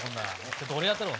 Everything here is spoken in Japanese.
ちょっと俺やったるわ。